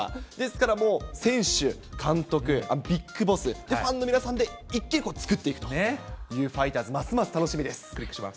ですからもう選手、監督、ビッグボス、ファンの皆さんで一個一個作っていくというファイターズ、ますます楽しみです。